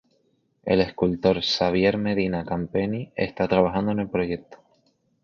El escultor Xavier Medina Campeny está trabajando en el proyecto.